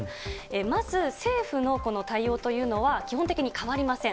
まず政府のこの対応というのは、基本的に変わりません。